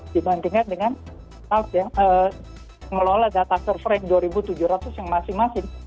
dibandingkan dengan cloud yang mengelola data server yang dua tujuh ratus yang masing masing